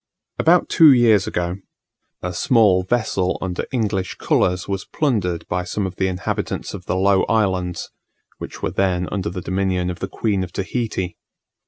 About two years ago, a small vessel under English colours was plundered by some of the inhabitants of the Low Islands, which were then under the dominion of the Queen of Tahiti.